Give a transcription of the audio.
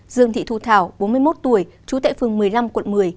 dương thị thu thảo bốn mươi một tuổi trú tại phường một mươi năm quận một mươi